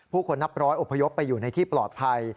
คนนับร้อยอพยพไปอยู่ในที่ปลอดภัย